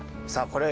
これ